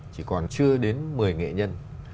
chỉ còn chưa đến một mươi nghệ nhân